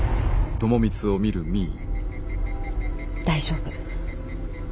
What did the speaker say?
大丈夫。